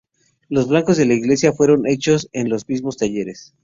Los bancos de la iglesia fueron hechos en los mismos talleres.